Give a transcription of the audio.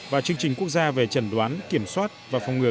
và chương trình quốc gia về trần đoán kiểm soát và phòng ngừa